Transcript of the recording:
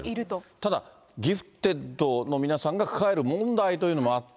ただ、ギフテッドの皆さんが抱える問題というのもあって。